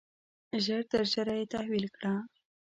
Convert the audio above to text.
ژر تر ژره یې تحویل کړه.